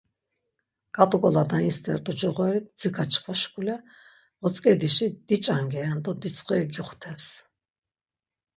K̆at̆u k̆ala na istert̆u coğori mtsika çkva şk̆ule votzk̆edişi, diç̆angeren do ditsxiri gyuxteps.